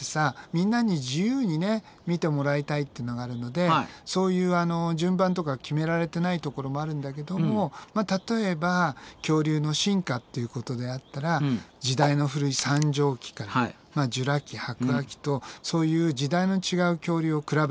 みんなに自由にね見てもらいたいってのがあるのでそういうあの順番とか決められてないところもあるんだけども例えば恐竜の進化っていうことであったら時代の古い三畳紀からジュラ紀白亜紀とそういう時代の違う恐竜を比べてみようとかさ。